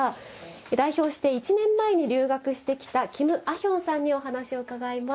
代表して１年前に留学してきたキム・アヒョンさんにお話を伺います。